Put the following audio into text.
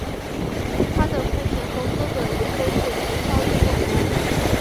她的父亲和哥哥也都是体操运动员。